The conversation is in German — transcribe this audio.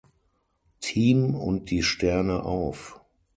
Team und Die Sterne auf.